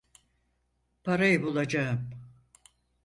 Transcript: Parayı bulacağım.